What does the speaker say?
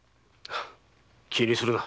気にするな。